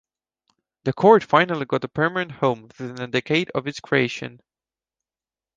The court finally got a permanent home within a decade of its creation.